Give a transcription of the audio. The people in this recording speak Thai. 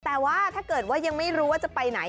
แต่ว่าถ้าเกิดว่ายังไม่รู้ว่าจะไปไหน